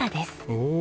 おお！